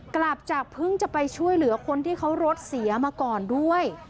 กลับจากเพิ่งจะไปช่วยเหลือคนที่เขารถเสียมาก่อนด้วย